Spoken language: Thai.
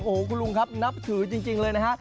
โอ้โหคุณลุงครับนับถือจริงเลยนะฮะ